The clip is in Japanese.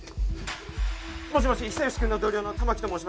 もしもし久義君の同僚の玉木と申します。